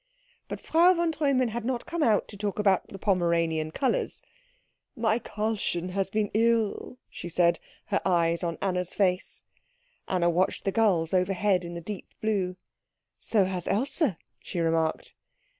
But Frau von Treumann had not come out to talk about the Pomeranian colours. "My Karlchen has been ill," she said, her eyes on Anna's face. Anna watched the gulls overhead in the deep blue. "So has Else," she remarked.